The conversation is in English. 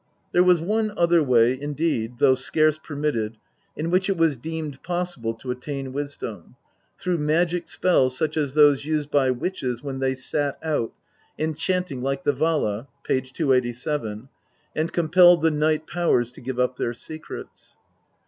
There was one other way, indeed, though scarce permitted, in which it was deemed possible to attain wisdom, through magic spells such as those used by witches when they "sat dut," enchanting like the Vala (p. 287), and compelled the night powers to give up their secrets.